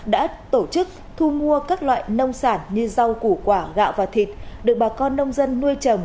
đã tổ chức thu mua các loại nông sản như rau củ quả gạo và thịt được bà con nông dân nuôi trồng